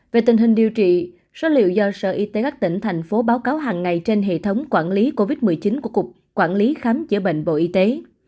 về tình hình điều trị số liệu do sở y tế các tỉnh thành phố báo cáo hàng ngày trên hệ thống quản lý covid một mươi chín của cục quản lý khám chữa bệnh bộ y tế